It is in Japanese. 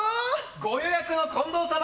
ご予約の近藤様。